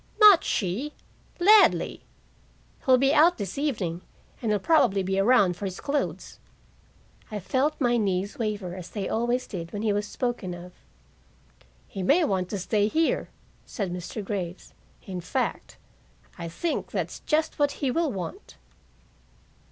"Not she. Ladley. He'll be out this evening, and he'll probably be around for his clothes." I felt my knees waver, as they always did when he was spoken of. "He may want to stay here," said Mr. Graves. "In fact, I think that's just what he will want."